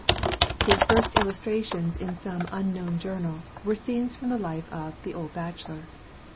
His first illustrations in some unknown journal were scenes from the life of "The Old Bachelor."